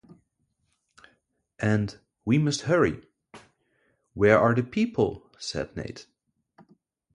And, “We must hurry.” “Where are the people?” said Nate.